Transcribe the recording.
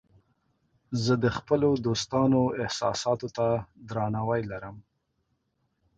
زه د خپلو دوستانو احساساتو ته درناوی لرم.